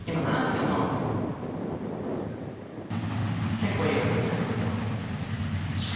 結構いい額。